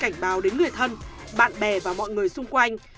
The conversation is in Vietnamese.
cảnh báo đến người thân bạn bè và mọi người xung quanh